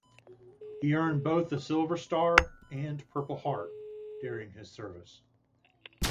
He earned both the Silver Star and Purple Heart during his service.